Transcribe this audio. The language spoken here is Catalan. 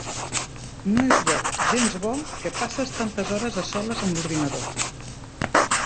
No és bo, gens bo, que passes tantes hores a soles amb l'ordinador.